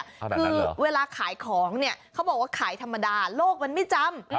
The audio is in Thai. คือเวลาขายของเนี่ยเขาบอกว่าขายธรรมดาโลกมันไม่จำ